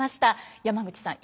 山口さん